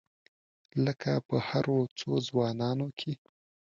لکه په هرو څو ځوانانو کې.